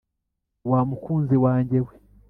Wa mukunzi wanjye we,